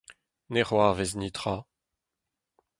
Ne c'hoarvez netra.